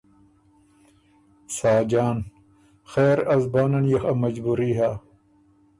ساجان ـــ”خېر ا زبانن يې خه مجبوري هۀ،